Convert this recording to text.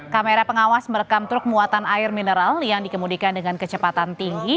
kamera pengawas merekam truk muatan air mineral yang dikemudikan dengan kecepatan tinggi